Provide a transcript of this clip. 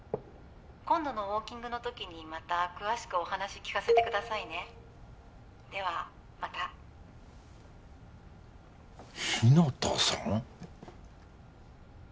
今度のウォーキングの時にまた詳しくお話聞かせてくださいねではまた日向さん？